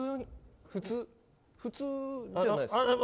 普通じゃないですか？